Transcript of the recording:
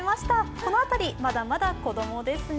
この辺り、まだまだ子供ですね。